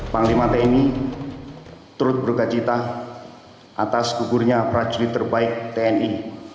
panglima tni terut bergacita atas kuburnya praculi terbaik tni